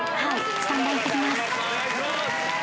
スタンバイ行ってきます。